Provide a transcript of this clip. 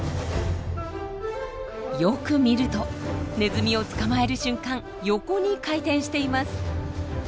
よく見るとネズミを捕まえる瞬間横に回転しています。